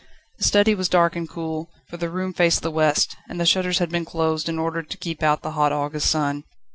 The study was dark and cool; for the room faced the west, and the shutters had been closed, in order to keep out the hot August sun.